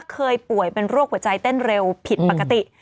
ป่วยเป็นโรคหัวใจเต้นเร็วผิดปกติ